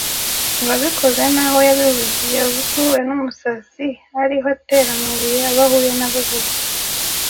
uwabikoze n'aho yabivugiye. ubu se uhuye n'umusazi ariho atera amabuye abo ahuye nabo bose